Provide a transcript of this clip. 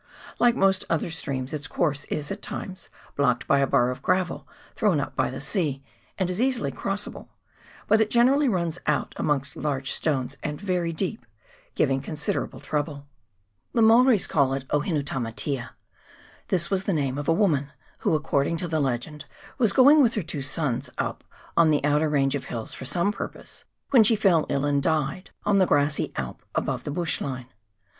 Like most other streams its course is at times blocked by a bar of gravel thrown up by the sea, and is easily crossable ; but it generally runs out amongst large stones and very deep, giving considerable trouble. A PASS TO THE HERMITAGE. 273 The Maoris call it " Ohinutamatea." This was the name of a woman, who, according to the legend, was going with her two sons up on the outer range of hills for some purpose, when she fell ill and died on the grassy alp above the bush line.